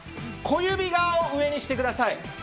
小指側を上にしてください。